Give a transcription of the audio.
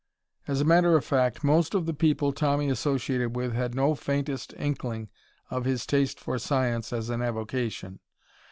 As a matter of fact, most of the people Tommy associated with had no faintest inkling of his taste for science as an avocation.